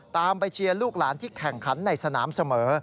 ไปเชียร์ลูกหลานที่แข่งขันในสนามเสมอ